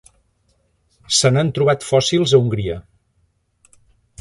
Se n'han trobat fòssils a Hongria.